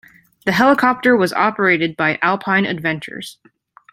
The helicopter was operated by Alpine Adventures.